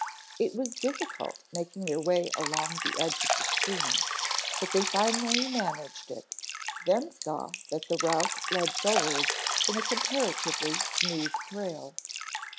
It was difficult making their way along the edge of the stream, but they finally managed it, then saw that the route lead forward in a comparatively smooth trail.